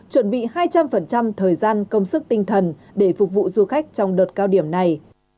chuẩn bị hai trăm linh thời gian công sức tinh thần để phục vụ du khách trong đợt cao điểm này